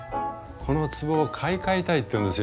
この壺を買い替えたいって言うんですよ。